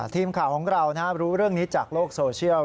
ทีมข่าวของเรารู้เรื่องนี้จากโลกโซเชียล